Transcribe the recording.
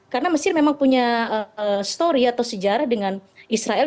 karena mesir memang punya story atau sejarah dengan israel